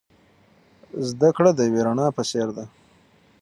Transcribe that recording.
زده کړه د یوې رڼا په څیر ده.